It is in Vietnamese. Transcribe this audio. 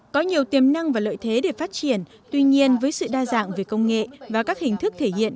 có nhiều tiềm năng và lợi thế để phát triển tuy nhiên với sự đa dạng về công nghệ và các hình thức thể hiện